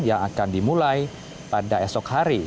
yang akan dimulai pada esok hari